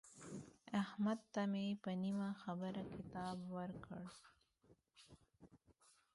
احمد ته مې په نیمه خبره کتاب ورکړ.